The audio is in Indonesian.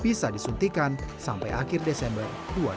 bisa disuntikan sampai akhir desember dua ribu dua puluh